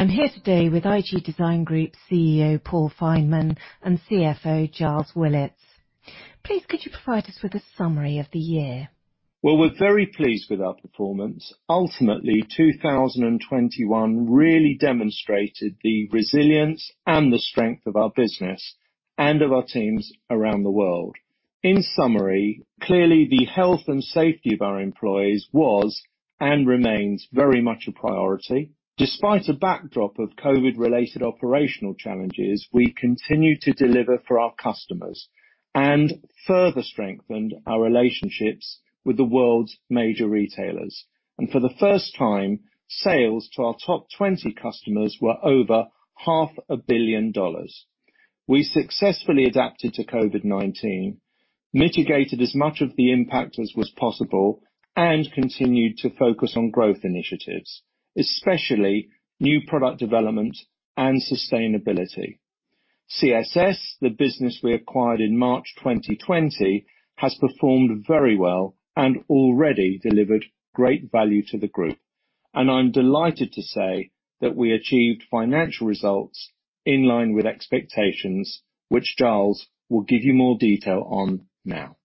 I'm here today with IG Design Group CEO, Paul Fineman, and CFO, Giles Willits. Please could you provide us with a summary of the year? Well, we're very pleased with our performance. Ultimately, 2021 really demonstrated the resilience and the strength of our business and of our teams around the world. In summary, clearly the health and safety of our employees was and remains very much a priority. Despite a backdrop of COVID-related operational challenges, we continued to deliver for our customers and further strengthened our relationships with the world's major retailers. For the first time, sales to our top 20 customers were over $500 million. We successfully adapted to COVID-19, mitigated as much of the impact as was possible, and continued to focus on growth initiatives, especially new product development and sustainability. CSS, the business we acquired in March 2020, has performed very well and already delivered great value to the group. I'm delighted to say that we achieved financial results in line with expectations, which Giles will give you more detail on now.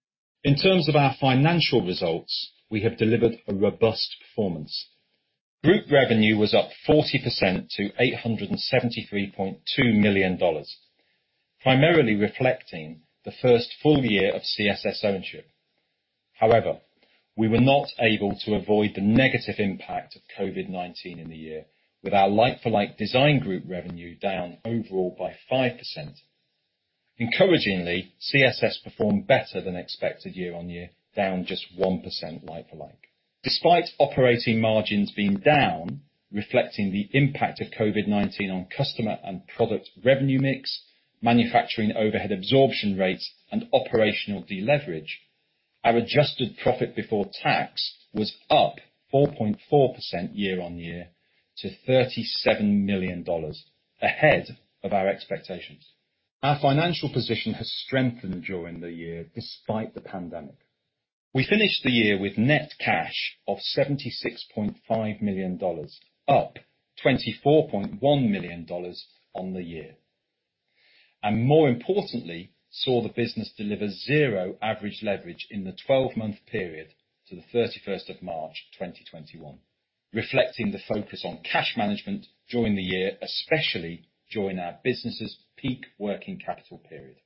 In terms of our financial results, we have delivered a robust performance. Group revenue was up 40% to $873.2 million, primarily reflecting the first full year of CSS ownership. We were not able to avoid the negative impact of COVID-19 in the year with our like-for-like Design Group revenue down overall by 5%. Encouragingly, CSS performed better than expected year-on-year, down just 1% like-for-like. Despite operating margins being down, reflecting the impact of COVID-19 on customer and product revenue mix, manufacturing overhead absorption rates, and operational de-leverage, our adjusted profit before tax was up 4.4% year-on-year to $37 million ahead of our expectations. Our financial position has strengthened during the year despite the pandemic. We finished the year with net cash of $76.5 million, up $24.1 million on the year, and more importantly, saw the business deliver zero average leverage in the 12-month period to the 31st of March 2021, reflecting the focus on cash management during the year, especially during our business' peak working capital period.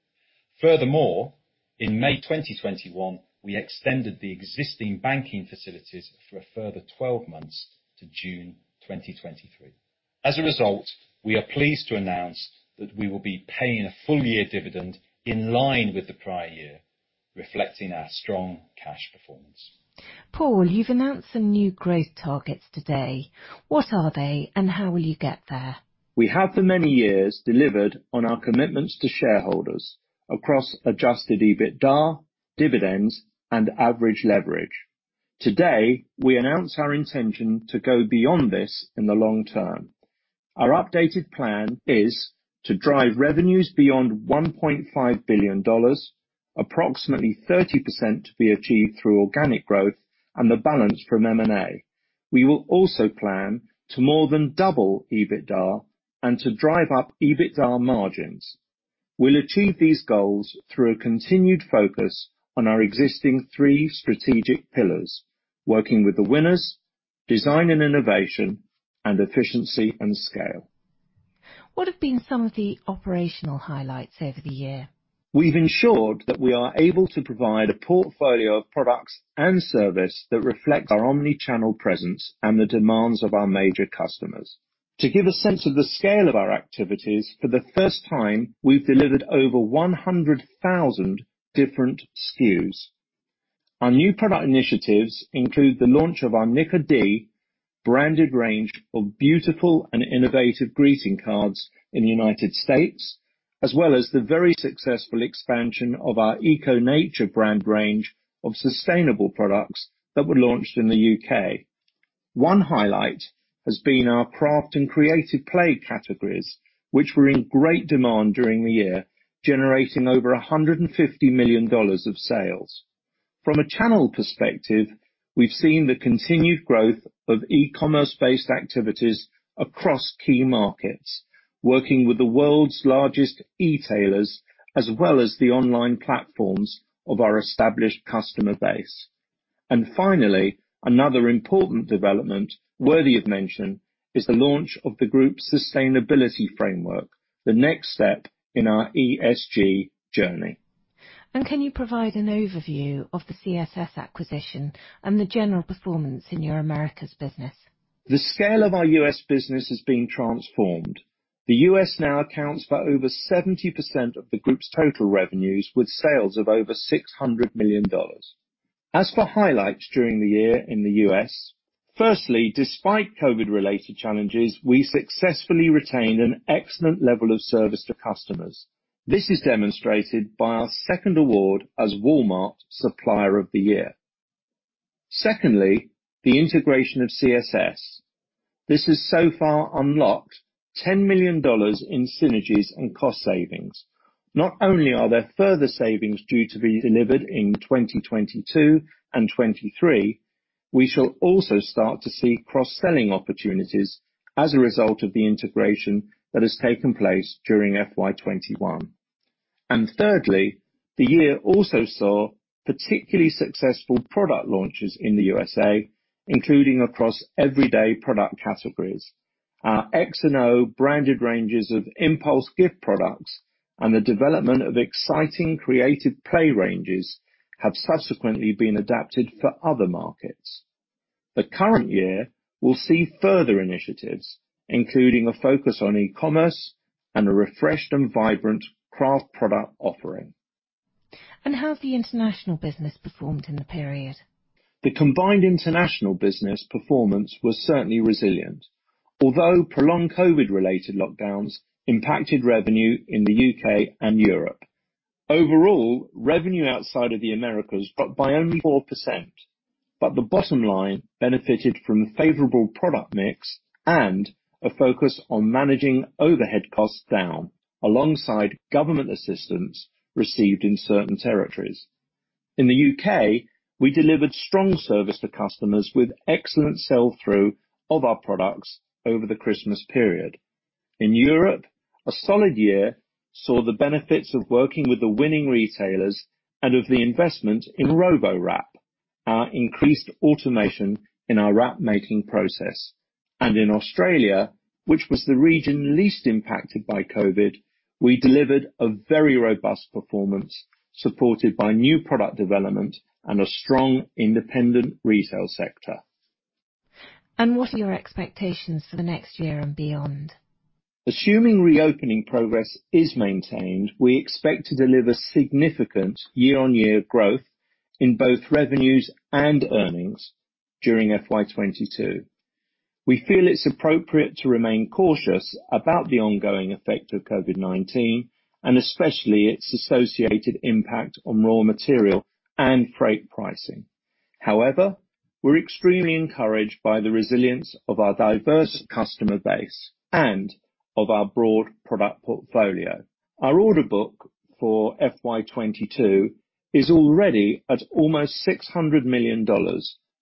Furthermore, in May 2021, we extended the existing banking facilities for a further 12 months to June 2023. As a result, we are pleased to announce that we will be paying a full-year dividend in line with the prior year, reflecting our strong cash performance. Paul, you've announced some new growth targets today. What are they and how will you get there? We have for many years delivered on our commitments to shareholders across adjusted EBITDA, dividends, and average leverage. Today, we announce our intention to go beyond this in the long term. Our updated plan is to drive revenues beyond $1.5 billion, approximately 30% to be achieved through organic growth and the balance from M&A. We will also plan to more than double EBITDA and to drive up EBITDA margins. We'll achieve these goals through a continued focus on our existing three strategic pillars, Working with the Winners, Design and Innovation, and Efficiency and Scale. What have been some of the operational highlights over the year? We've ensured that we are able to provide a portfolio of products and service that reflect our omni-channel presence and the demands of our major customers. To give a sense of the scale of our activities, for the first time, we've delivered over 100,000 different SKUs. Our new product initiatives include the launch of our NIQUEA.D branded range of beautiful and innovative greeting cards in the United States, as well as the very successful expansion of our Eco Nature brand range of sustainable products that were launched in the U.K. One highlight has been our craft and creative play categories, which were in great demand during the year, generating over $150 million of sales. From a channel perspective, we've seen the continued growth of e-commerce-based activities across key markets, working with the world's largest e-tailers, as well as the online platforms of our established customer base. Finally, another important development worthy of mention is the launch of the group's sustainability framework, the next step in our ESG journey. Can you provide an overview of the CSS acquisition and the general performance in your Americas business? The scale of our U.S. business is being transformed. The U.S. now accounts for over 70% of the group's total revenues with sales of over $600 million. As for highlights during the year in the U.S., firstly, despite COVID-related challenges, we successfully retained an excellent level of service to customers. This is demonstrated by our second award as Walmart Supplier of the Year. Secondly, the integration of CSS. This has so far unlocked $10 million in synergies and cost savings. Not only are there further savings due to be delivered in 2022 and 2023, we shall also start to see cross-selling opportunities as a result of the integration that has taken place during FY 2021. Thirdly, the year also saw particularly successful product launches in the USA, including across everyday product categories. Our X and O branded ranges of impulse gift products and the development of exciting creative play ranges have subsequently been adapted for other markets. The current year will see further initiatives, including a focus on e-commerce and a refreshed and vibrant craft product offering. How has the international business performed in the period? The combined international business performance was certainly resilient. Although prolonged COVID-related lockdowns impacted revenue in the U.K. and Europe. Overall, revenue outside of the Americas dropped by only 4%, but the bottom line benefited from favorable product mix and a focus on managing overhead costs down alongside government assistance received in certain territories. In the U.K., we delivered strong service to customers with excellent sell-through of our products over the Christmas period. In Europe, a solid year saw the benefits of working with the winning retailers and of the investment in RoboWrap, our increased automation in our wrap making process. In Australia, which was the region least impacted by COVID, we delivered a very robust performance supported by new product development and a strong independent retail sector. What are your expectations for next year and beyond? Assuming reopening progress is maintained, we expect to deliver significant year-on-year growth in both revenues and earnings during FY22. We feel it's appropriate to remain cautious about the ongoing effect of COVID-19 and especially its associated impact on raw material and freight pricing. However, we're extremely encouraged by the resilience of our diverse customer base and of our broad product portfolio. Our order book for FY 2022 is already at almost $600 million,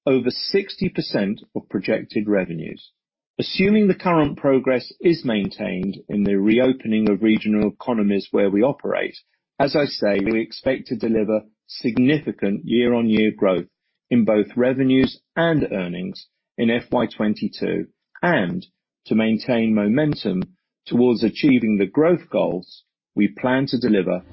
over 60% of projected revenues. Assuming the current progress is maintained in the reopening of regional economies where we operate, as I say, we expect to deliver significant year-on-year growth in both revenues and earnings in FY 2022. To maintain momentum towards achieving the growth goals we plan to deliver.